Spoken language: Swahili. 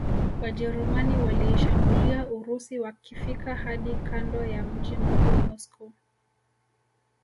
Wajerumani waliishambulia Urusi wakifika hadi kando ya mji mkuu Moscow